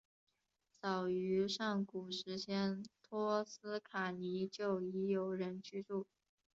早于上古时代托斯卡尼就已有人居住。